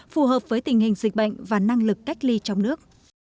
phù hợp với tình hình dịch bệnh và năng lực cách ly trong nước